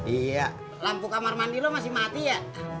iya lampu kamar mandi lo masih mati ya